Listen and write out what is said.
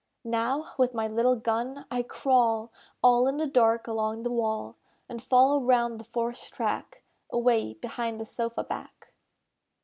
Now, with my little gun, I crawl All in the dark along the wall, And follow round the forest track Away behind the sofa back.